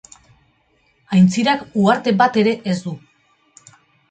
Aintzirak uharte bat ere ez du.